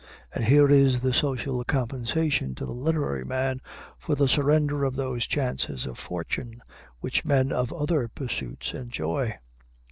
And here is the social compensation to the literary man for the surrender of those chances of fortune which men of other pursuits enjoy.